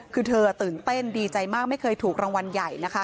คือเธอตื่นเต้นดีใจมากไม่เคยถูกรางวัลใหญ่นะคะ